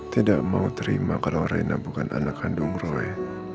tidak mau terima kalau raina bukan anak kandung roy